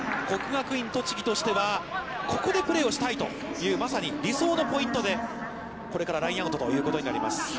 国学院栃木としてはここでプレーをしたいという、理想のポイントでこれからラインアウトということになります。